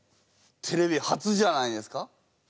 テレビ初じゃないですか？